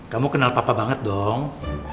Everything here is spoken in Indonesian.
kamu kenal papa banget dong